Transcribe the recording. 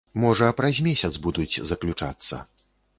Можа, праз месяц будуць заключацца.